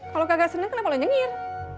kalo kagak seneng kenapa lo nyengir